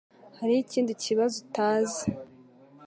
Hariho ikindi kibazo utazi.